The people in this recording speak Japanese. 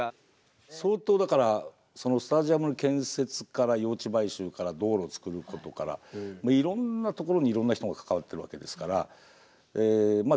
相当だからスタジアムの建設から用地買収から道路を造ることからいろんなところにいろんな人が関わってるわけですからえまあ